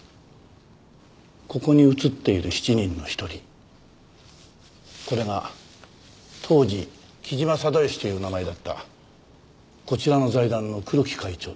ここに写っている７人の一人これが当時木島定良という名前だったこちらの財団の黒木会長です。